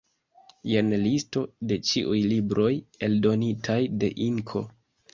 Jen listo de ĉiuj libroj eldonitaj de Inko.